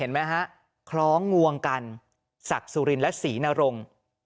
เห็นไหมครับคล้องงวงกันสักสุรินทร์และศรีนรงค์